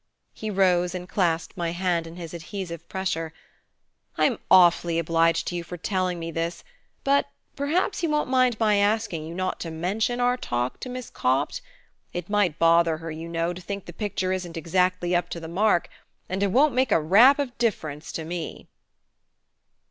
He rose and clasped my hand in his adhesive pressure. "I'm awfully obliged to you for telling me this; but perhaps you won't mind my asking you not to mention our talk to Miss Copt? It might bother her, you know, to think the picture isn't exactly up to the mark; and it won't make a rap of difference to me."